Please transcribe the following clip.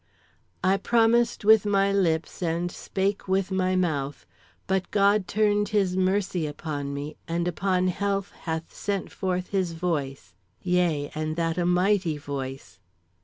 "I promised with my lips and spake with my mouth, but God turned his mercy upon me, and upon health hath sent forth his voice, yea, and that a mighty voice.